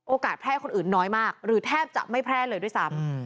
แพร่คนอื่นน้อยมากหรือแทบจะไม่แพร่เลยด้วยซ้ำ